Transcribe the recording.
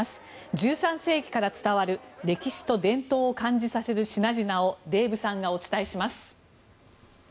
１３世紀から伝わる歴史と伝統を感じさせる品々をデーブさんがお伝えします。